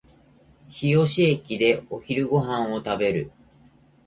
日吉駅でお昼ご飯を食べる